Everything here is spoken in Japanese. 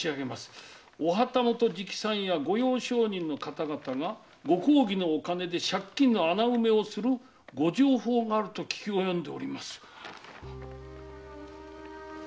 「お旗本直参や御用商人の方々がご公儀のお金で借金の穴埋めをするご定法があると聞きおよんでおります」